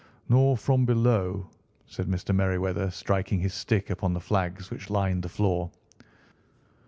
"Nor from below," said Mr. Merryweather, striking his stick upon the flags which lined the floor.